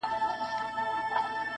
عبدالباري حهاني-